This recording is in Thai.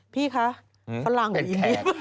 พี่คะฝรั่งหรือดี